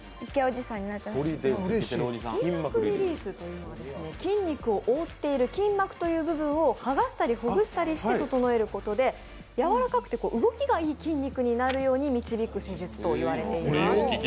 筋膜リリースは筋肉を覆っている筋膜という部分を剥がしたりほぐしたりして整えることでやわらかくて動きがいい筋肉になるように導く施術といわれております。